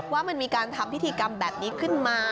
ว่ามันมีการทำพิธีกรรมแบบนี้ขึ้นมา